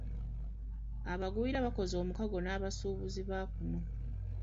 Abagwira bakoze omukago n'abasuubuzi ba kuno.